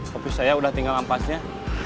kopi saya udah tinggal ampasnya